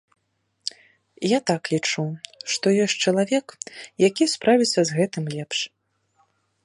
Я так лічу, што ёсць чалавек, які справіцца з гэтым лепш.